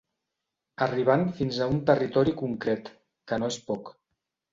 Arribant fins a un territori concret, que no és poc.